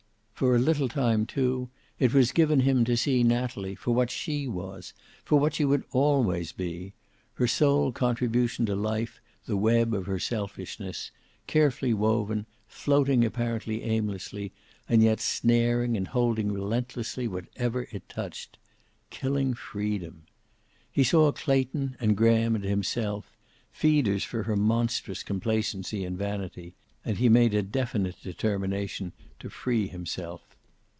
For a little time, too, it was given him to see Natalie for what she was, for what she would always be, her sole contribution to life the web of her selfishness, carefully woven, floating apparently aimlessly, and yet snaring and holding relentlessly whatever it touched. Killing freedom. He saw Clayton and Graham and himself, feeders for her monstrous complacency and vanity, and he made a definite determination to free himself.